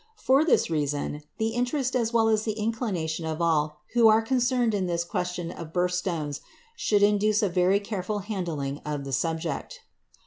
For this reason, the interest as well as the inclination of all who are concerned in this question of birth stones should induce a very careful handling of the subject.